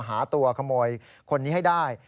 หาตัวขโมยคนนี้ให้ได้